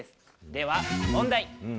では問題。